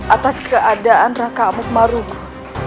atas keadaan raka amuk marugu